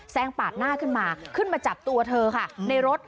งปาดหน้าขึ้นมาขึ้นมาจับตัวเธอค่ะในรถ